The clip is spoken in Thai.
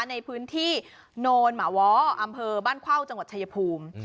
ในพื้นที่โนนหมาว้ออำเภอบ้านเข้าจังหวัดชายภูมิ